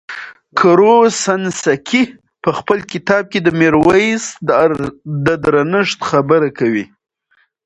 کروسنسکي په خپل کتاب کې د میرویس د درنښت خبره کوي.